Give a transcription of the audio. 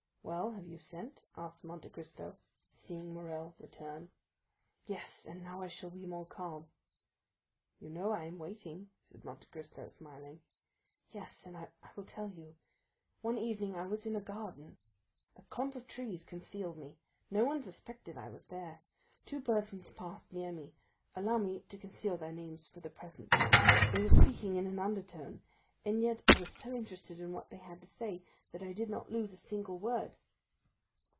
"Well, have you sent?" asked Monte Cristo, seeing Morrel return. "Yes, and now I shall be more calm." "You know I am waiting," said Monte Cristo, smiling. "Yes, and I will tell you. One evening I was in a garden; a clump of trees concealed me; no one suspected I was there. Two persons passed near me—allow me to conceal their names for the present; they were speaking in an undertone, and yet I was so interested in what they said that I did not lose a single word."